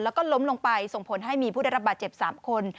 แล้วก็ล้มลงไปส่งผลให้มีผู้ได้รับบาดเจ็บ๓คน